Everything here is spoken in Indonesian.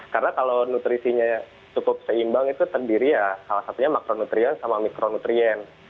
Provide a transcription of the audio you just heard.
karena kalau nutrisinya cukup seimbang itu terdiri ya salah satunya makronutrien sama mikronutrien